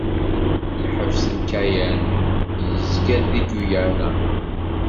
Lḥebs n Kayan yezga-deg Guyane.